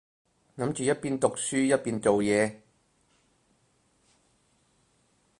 諗住一邊讀書一邊做嘢